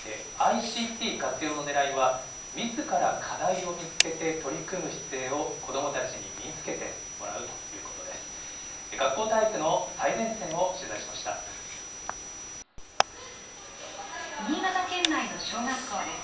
ＩＣＴ活用のねらいは、みずから課題を見つけて取り組む姿勢を子どもたちに身に着けてもらうということです。